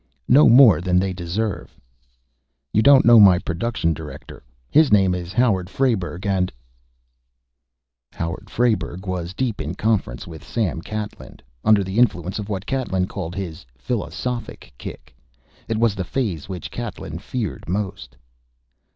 "No more than they deserve." "You don't know my Production Director. His name is Howard Frayberg, and ..."Howard Frayberg was deep in conference with Sam Catlin, under the influence of what Catlin called his philosophic kick. It was the phase which Catlin feared most.